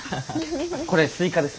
これスイカです。